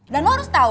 dan lo harus tau